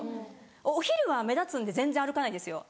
お昼は目立つんで全然歩かないんですよ。